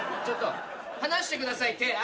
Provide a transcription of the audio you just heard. ちょっと離してください手！